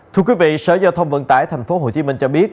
thưa quý vị sở giao thông vận tải tp hcm cho biết